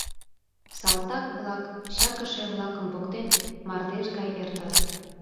Салтак-влак, чакыше-влакым поктен, мардеж гай эртат.